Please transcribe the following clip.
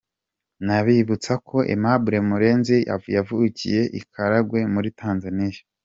Nabibutsa ko Aimable Murenzi yavukiye i Karagwe muri Tanzania.